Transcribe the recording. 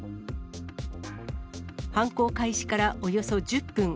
犯行開始からおよそ１０分。